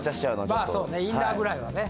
インナーぐらいはね。